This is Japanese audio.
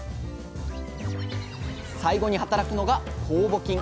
最後に働くのが酵母菌。